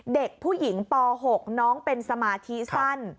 เด็กผู้หญิงป๖น้องเป็นสมาธิสั้น